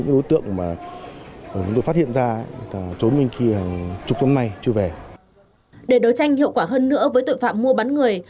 để đấu tranh hiệu quả hơn nữa với tội phạm mua bán người